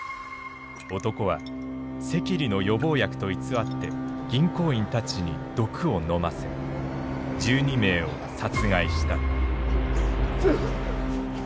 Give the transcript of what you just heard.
男は赤痢の予防薬と偽って銀行員たちに毒を飲ませ１２名を殺害した。